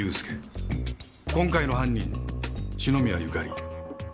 今回の犯人篠宮ゆかり。